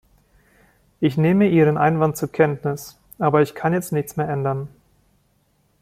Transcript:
Ich nehme Ihren Einwand zur Kenntnis, aber ich kann jetzt nichts mehr ändern.